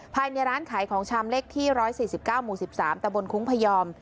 ภายในร้านขายของชามเล็กที่๑๔๙หมู่๑๓ตะบนคุ้งพยอม